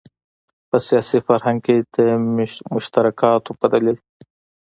په سیاسي فرهنګ کې د مشترکاتو په دلیل.